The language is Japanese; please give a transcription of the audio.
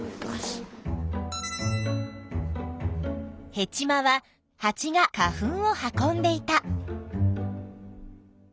ヘチマはハチが花粉を運んでいた。